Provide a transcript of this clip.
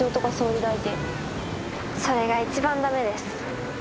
それが一番駄目です。